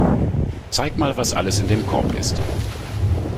Zeig mal, was alles in dem Korb ist.